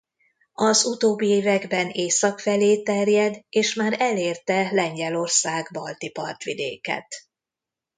Az utóbbi években észak felé terjed és már elérte Lengyelország balti partvidéket.